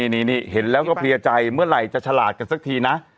นี่เห็นแล้วก็เพลียใจเมื่อไหร่จะฉลาดกันสักทีนะ